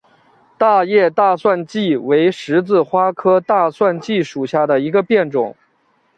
大叶大蒜芥为十字花科大蒜芥属下的一个变种。